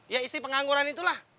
ya istri pengangguran itulah